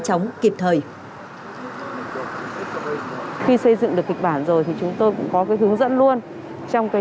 chống kịp thời khi xây dựng được kịch bản rồi thì chúng tôi cũng có cái hướng dẫn luôn trong cái